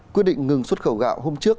quyết định ngừng xuất khẩu gạo hôm trước